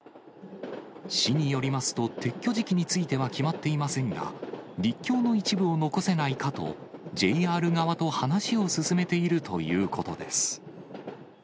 市によりますと、撤去時期については決まっていませんが、陸橋の一部を残せないかと、ＪＲ側と話を進めているということです。